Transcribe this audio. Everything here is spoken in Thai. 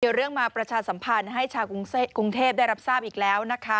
เดี๋ยวเรื่องมาประชาสัมพันธ์ให้ชาวกรุงเทพได้รับทราบอีกแล้วนะคะ